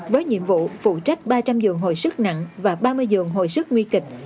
với nhiệm vụ phụ trách ba trăm linh giường hồi sức nặng và ba mươi giường hồi sức nguy kịch